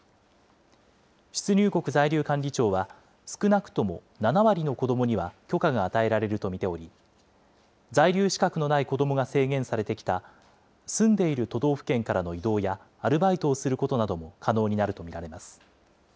出入国在留管理庁は、少なくとも７割の子どもには許可が与えられると見ており、在留資格のない子どもが制限されてきた住んでいる都道府県からの移動や、アルバイトをすることなども可能になると見られます。